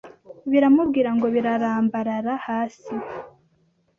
biramubwira ngo birarambarara hasi